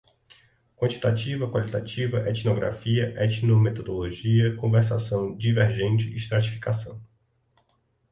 quantitativa, qualitativa, etnografia, etnometodologia, conversação, divergente, estratificação